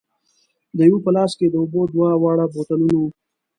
د یوه په لاس کې د اوبو دوه واړه بوتلونه وو.